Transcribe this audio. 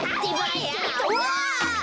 うわ！